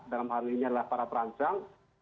dalam hal ini adalah para perancang